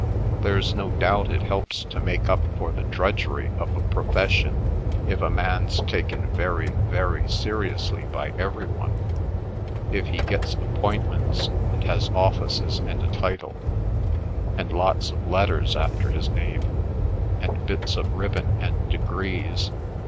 There's no doubt it helps to make up for the drudgery of a profession if a man's taken very, very seriously by every one—if he gets appointments, and has offices and a title, and lots of letters after his name, and bits of ribbon and degrees.